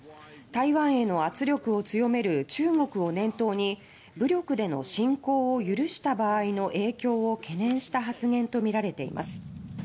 台湾への圧力を強める中国を念頭に武力での侵攻を許した場合の影響を懸念した発言とみられています。